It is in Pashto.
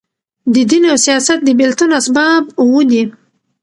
د دین او سیاست د بېلتون اسباب اووه دي.